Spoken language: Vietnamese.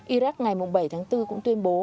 iraq ngày bảy tháng bốn cũng tuyên bố